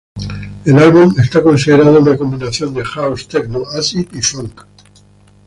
El álbum es considerado una combinación de house, techno, acid y funk.